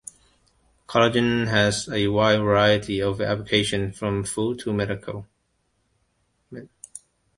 Collagen has a wide variety of applications, from food to medical.